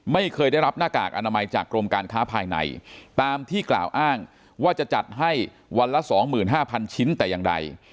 ไม่เคยได้รับหน้ากากอนามัยจากกรมการค้าภายในตามที่กล่าวอ้างว่าจะจัดให้วันละ๒๕๐๐ชิ้นแต่อย่างใด